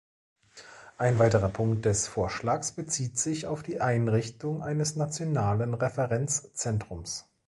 Ein weiterer Punkt des Vorschlags bezieht sich auf die Einrichtung eines nationalen Referenzzentrums.